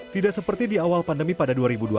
tidak seperti di awal pandemi pada dua ribu dua puluh